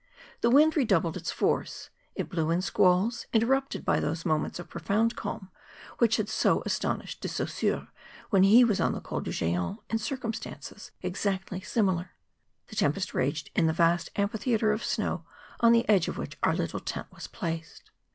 The wind redoubled its force; it blew in squalls, interrupted by those moments of profound calm which had so much astonished De Saussure when he was on the Col du Greant in circumstances exactly similar. The tempest raged in the vast amphi¬ theatre of snow on the edge of which our little tent was placed.